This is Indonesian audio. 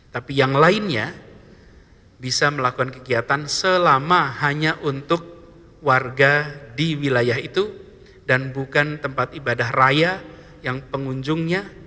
tapi yang lainnya bisa melakukan kegiatan selama hanya untuk warga di wilayah itu dan bukan tempat ibadah raya yang pengunjungnya